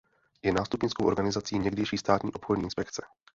Je nástupnickou organizací někdejší Státní obchodní inspekce.